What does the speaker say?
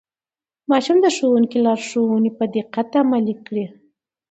ماشوم د ښوونکي لارښوونې په دقت عملي کړې